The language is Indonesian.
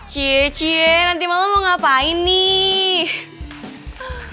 cie cie nanti malem mau ngapain nih